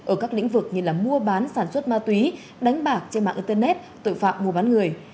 ở các lĩnh vực như mua bán sản xuất ma túy đánh bạc trên mạng internet tội phạm mua bán người